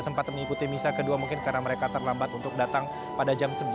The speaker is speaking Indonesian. sempat mengikuti misa kedua mungkin karena mereka terlambat untuk datang pada jam sebelas